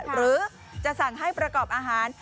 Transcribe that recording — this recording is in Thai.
หรือจะสั่งให้ประกอบอาหาร